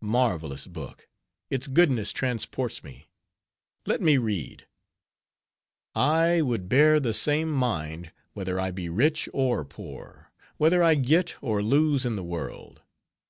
Marvelous book! its goodness transports me. Let me read:—'I would bear the same mind, whether I be rich or poor, whether I get or lose in the world.